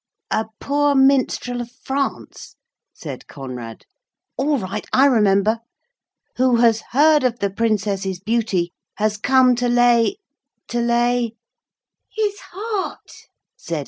'A poor minstrel of France,' said Conrad, '(all right! I remember,) who has heard of the Princess's beauty has come to lay, to lay ' 'His heart,' said Alison.